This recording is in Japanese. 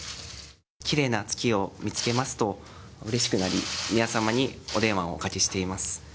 きれいな月を見つけますと、うれしくなり、宮さまにお電話をおかけしております。